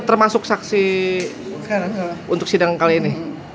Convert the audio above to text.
termasuk saksi untuk sidang kali ini